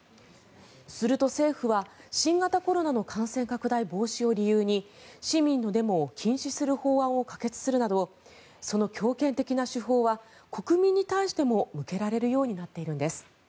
すると政府は、新型コロナの感染拡大防止を理由に市民のデモを禁止する法案を可決するなどその強権的な手法は国民に対しても向けられるようになっているんです。